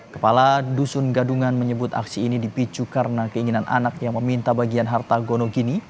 kepala dusun gadungan menyebut aksi ini dipicu karena keinginan anak yang meminta bagian harta gonogini